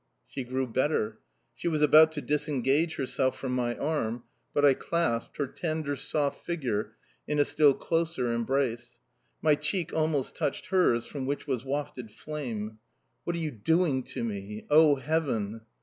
She grew better; she was about to disengage herself from my arm, but I clasped her tender, soft figure in a still closer embrace; my cheek almost touched hers, from which was wafted flame. "What are you doing to me?... Oh, Heaven!"...